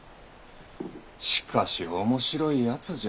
しかし面白いやつじゃ。